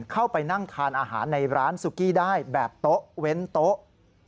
เข้าไปนั่งทานอาหารในร้านซุกี้ได้แบบโต๊ะเว้นโต๊ะ